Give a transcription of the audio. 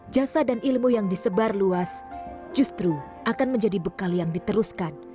jasa dan ilmu yang disebar luas justru akan menjadi bekal yang diteruskan